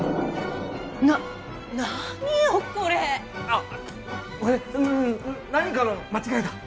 あっ何かの間違いだ！